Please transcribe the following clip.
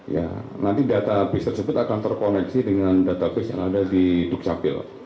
ya nanti database tersebut akan terkoneksi dengan database yang ada di dukcapil